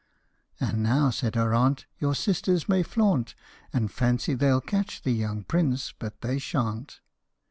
And now," said her aunt, " your sisters may flaunt, And fancy they '11 catch the young Prince but they shan't